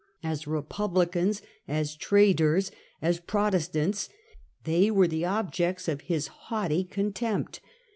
As republicans, as traders, and as Protestants, they were the objects of his haughty contempt.